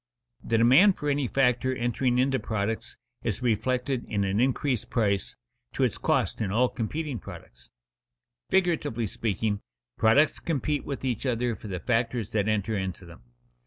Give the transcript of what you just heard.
_The demand for any factor entering into products is reflected, in an increased price, to its cost in all competing products._ Figuratively speaking, products compete with each other for the factors that enter into them.